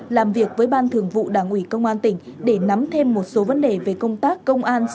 làm việc với ban thường vụ đảng ủy công an tỉnh để nắm thêm một số vấn đề về công tác công an